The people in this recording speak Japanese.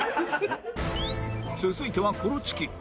続いてはコロチキ